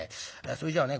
「それじゃね